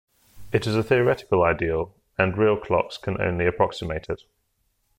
It is a theoretical ideal, and real clocks can only approximate it.